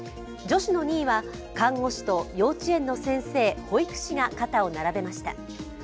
女子の２位は看護師と幼稚園の先生・保育士が肩を並べました。